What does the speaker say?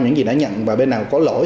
những gì đã nhận và bên nào có lỗi